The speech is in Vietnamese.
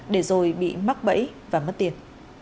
để rồi bị mắc bẫy và mất tiền